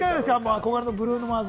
憧れのブルーノ・マーズ。